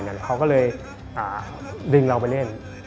เขาก็เลยดึงเราไปเล่น